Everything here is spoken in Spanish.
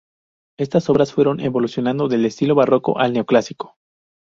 Estas obras fueron evolucionando del estilo barroco al neoclásico.